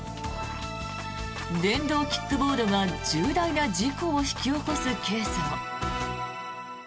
電動キックボードが重大な事故を引き起こすケースも。